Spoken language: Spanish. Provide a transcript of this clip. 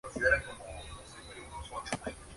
Pero lo principal es la canción.